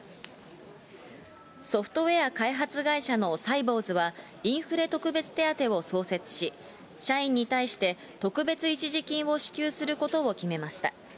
ソフトウエア開発会社のサイボウズは、インフレ特別手当を創設し、社員に対して特別一時金を支給することを決めました。